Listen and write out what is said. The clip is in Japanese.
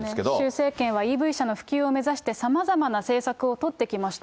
習政権はＥＶ車の普及を目指して、さまざまな政策を取ってきました。